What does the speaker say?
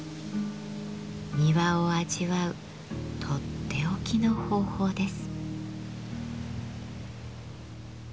庭を味わうとっておきの方法です。